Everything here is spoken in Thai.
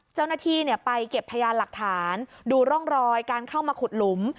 เจ้าหน้าที่ไปเก็บพยานหลักฐานดูร่องรอยการเข้ามาขุดหลุม